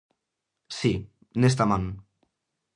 Si, nesta man.